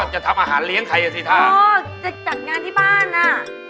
จะทำอาหารเลี้ยงใครอ่ะสิท่าอ๋อจะจัดงานที่บ้านอ่ะ